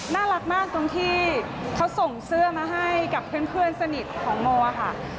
น่ารักมากตรงที่เขาส่งเสื้อมาให้กับเพื่อนสนิทของโมอะค่ะ